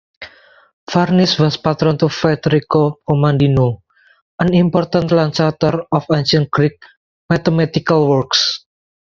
Farnese was patron to Federico Commandino, an important translator of ancient Greek mathematical works.